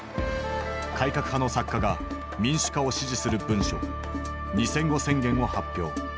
改革派の作家が民主化を支持する文書「二千語宣言」を発表。